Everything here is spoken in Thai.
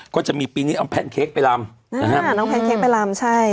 ก็จะมีปีนี้เอาแพนเค้กไปลำนะฮะน้องแพนเค้กไปลำใช่